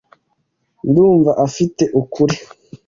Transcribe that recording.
Ndumva afite ukuri.